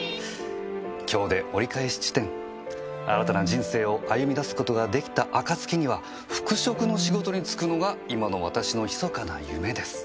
「今日で折り返し地点」「新たな人生を歩み出す事ができた暁には服飾の仕事に就くのが今の私の密かな夢です」